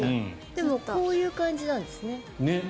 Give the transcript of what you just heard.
でもこういう感じなんですね。